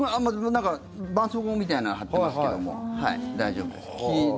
ばんそうこうみたいなの貼ってますけど、大丈夫です。